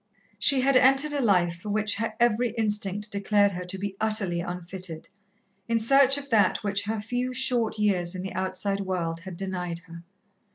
She had entered a life for which her every instinct declared her to be utterly unfitted, in search of that which her few short years in the outside world had denied her.